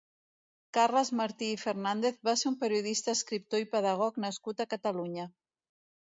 Carles Martí i Fernández va ser un periodista, escriptor i pedagog nascut a Catalunya.